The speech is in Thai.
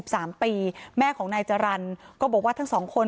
เพราะไม่เคยถามลูกสาวนะว่าไปทำธุรกิจแบบไหนอะไรยังไง